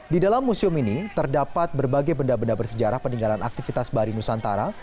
di dalam museum ini terdapat berbagai benda benda bersejarah peninggalan aktivitas bari nusantara